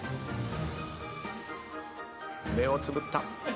目をつぶった。